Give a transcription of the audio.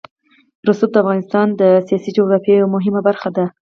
رسوب د افغانستان د سیاسي جغرافیه یوه مهمه برخه ده.